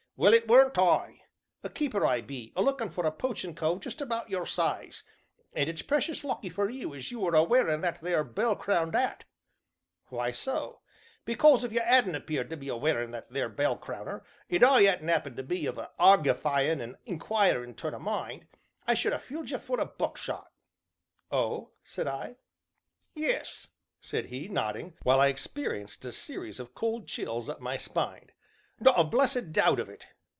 "Well, it weren't I. A keeper I be, a lookin' for a poachin' cove just about your size, and it's precious lucky for you as you are a wearin' that there bell crowned 'at!" "Why so?" "Because, if you 'adn't 'appened to be a wearin' that there bell crowner, and I 'adn't 'appened to be of a argifyin' and inquirin' turn o' mind, I should ha' filled you full o' buckshot." "Oh?" said I. "Yes," said he, nodding, while I experienced a series of cold chills up my spine, "not a blessed doubt of it.